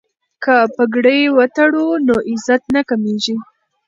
که پګړۍ وتړو نو عزت نه کمیږي.